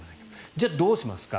じゃあ、どうしますか。